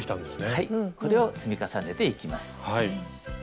はいこれを積み重ねていきます。